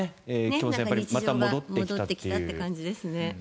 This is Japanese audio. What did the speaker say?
日常が戻ってきたという感じですね。